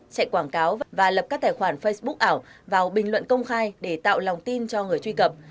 chạy quảng cáo và lập các tài khoản facebook ảo vào bình luận công khai để tạo lòng tin cho người truy cập